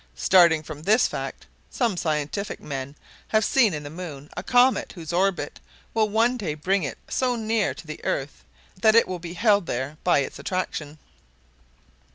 Starting from this fact, some scientific men have seen in the moon a comet whose orbit will one day bring it so near to the earth that it will be held there by its attraction."